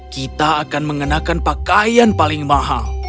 kita akan mengenakan pakaian paling mahal